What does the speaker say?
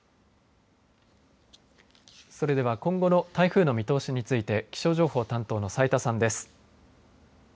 それでは今後の台風の見通しについて気象情報津担当の斉田さんです。